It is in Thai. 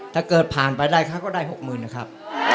ถ้าเกิดผ่านไปได้เขาก็ได้๖๐๐๐นะครับ